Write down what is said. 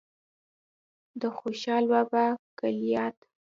د خوشال بابا کلیات